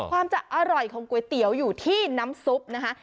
ความจะอร่อยของก๋วยเตี๋ยวอยู่ที่น้ำซุปนะคะ